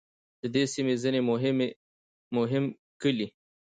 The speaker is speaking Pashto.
د دې سیمې ځینې مهم کلي